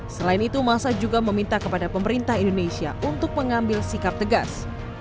selain itu masa juga meminta kepada pemerintah indonesia untuk mengambil sikap tegas